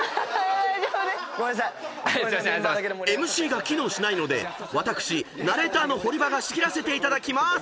［ＭＣが機能しないので私ナレーターの堀場が仕切らせていただきまーす］